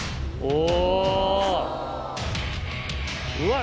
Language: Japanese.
お！